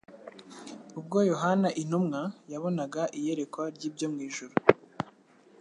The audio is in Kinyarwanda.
Ubwo Yohana intumwa yabonaga iyerekwa ry'ibyo mu ijuru,